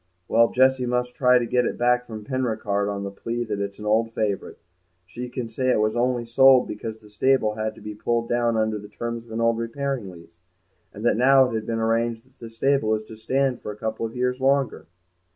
"Well, Jessie must try and get it back from Penricarde on the plea that it's an old favourite. She can say it was only sold because the stable had to be pulled down under the terms of an old repairing lease, and that now it has been arranged that the stable is to stand for a couple of years longer."